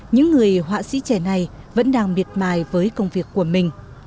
những người họa sĩ trẻ này vẫn đang miệt mài với công việc của mình